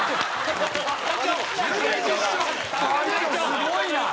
すごいな！